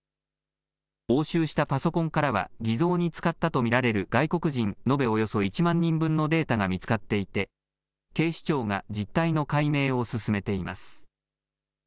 押収したパソコンからは偽造に使ったと見られる外国人延べおよそ１万人分のデータが見つかっていて警視庁が実態の解明を進めています。